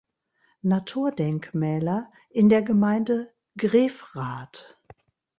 Naturdenkmäler in der Gemeinde Grefrath.